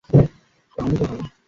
সে কতো ভালো বাচ্চা।